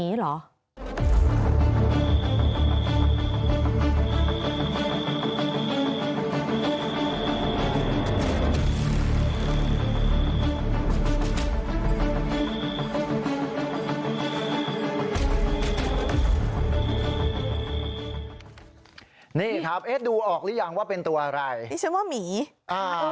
นี่ครับเอ๊ะดูออกหรือยังว่าเป็นตัวอะไรนี่ฉันว่าหมีอ่า